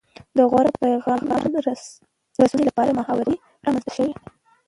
د غوره پیغام رسونې لپاره محاورې رامنځته شوې